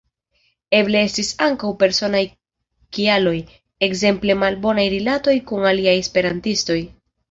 Eble estis ankaŭ personaj kialoj, ekzemple malbonaj rilatoj kun aliaj esperantistoj.